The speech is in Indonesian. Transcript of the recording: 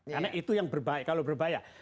karena itu yang berbahaya